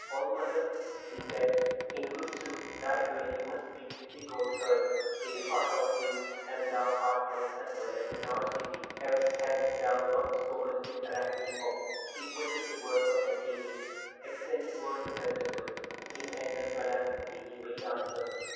old mother," she said. "In good sooth thy dwelling must be with the goat herds in the far off hills and thou art not a dweller in our city. Else hadst thou not spoken to Arachne of equalling the work of Athené; excelling were the better word." In anger Pallas Athené made answer.